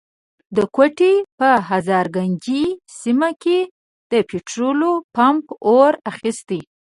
د کوټي په هزارګنجۍ سيمه کي د پټرولو پمپ اور اخستی.